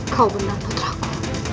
kau benar nutraku